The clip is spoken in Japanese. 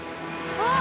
あっ！